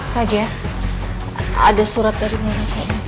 raja ada surat dari mana